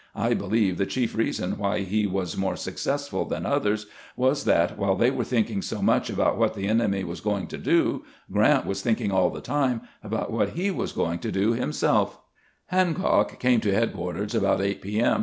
I believe the chief reason why he was more successful than others was that while they were thinking so much about what the enemy was going to do, Grant was thinking aU the time about what he was going to do himseK." Hancock came to headquarters about 8 p. m.